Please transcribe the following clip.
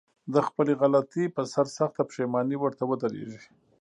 د خپلې غلطي په سر سخته پښېماني ورته ودرېږي.